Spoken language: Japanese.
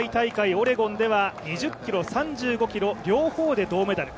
オレゴンでは２０ｋｍ、３５ｋｍ、両方で銅メダル。